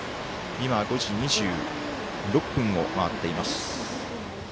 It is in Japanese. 今、５時２６分を回っています。